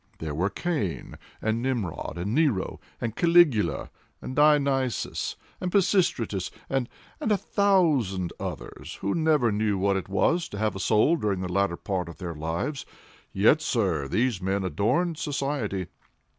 There were Cain and Nimrod, and Nero, and Caligula, and Dionysius, and Pisistratus, and—and a thousand others, who never knew what it was to have a soul during the latter part of their lives; yet, sir, these men adorned society.